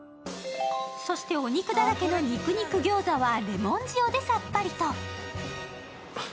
そして、お肉だらけの肉肉餃子はレモン塩でさっぱりと。